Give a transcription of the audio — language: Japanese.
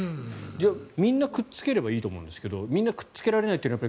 みんなくっつければいいと思うんですがみんなくっつけられないのは。